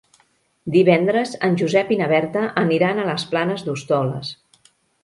Divendres en Josep i na Berta aniran a les Planes d'Hostoles.